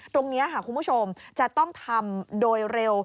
ตรงนี้ค่ะคุณผู้ชมจะต้องทำโดยเร็ว